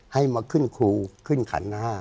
ให้มาขึ้นครูขึ้นขัน๕